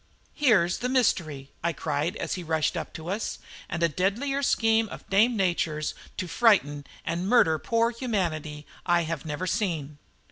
"Here's the mystery," I cried as he rushed up to us, "and a deadlier scheme of Dame Nature's to frighten and murder poor humanity I have never seen."